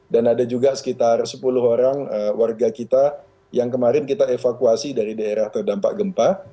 dan ada juga sekitar sepuluh orang warga kita yang kemarin kita evakuasi dari daerah terdampak gempa